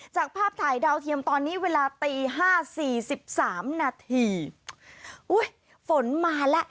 จากภาพถ่ายดาวเทียมตอนนี้เวลาตีห้าสี่สิบสามนาทีอุ้ยฝนมาแล้ว